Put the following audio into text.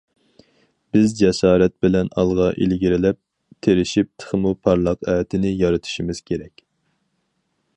بىز جاسارەت بىلەن ئالغا ئىلگىرىلەپ، تىرىشىپ تېخىمۇ پارلاق ئەتىنى يارىتىشىمىز كېرەك.